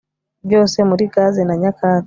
byose muri gaze na nyakatsi